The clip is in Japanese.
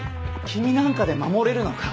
君なんかで守れるのか？